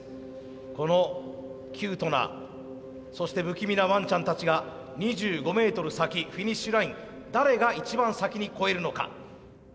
このキュートなそして不気味なワンちゃんたちが２５メートル先フィニッシュライン誰が一番先に越えるのか。